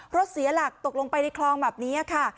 รถเสียหลักตกลงไปในคลองแบบนี้ค่ะ